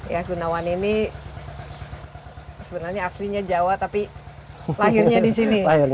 ya gunawan ini sebenarnya aslinya jawa tapi lahirnya di sini